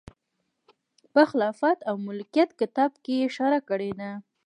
په خلافت او ملوکیت کتاب کې یې اشاره کړې ده.